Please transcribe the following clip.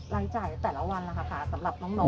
รายจ่ายแต่ละวันนะคะสำหรับน้อง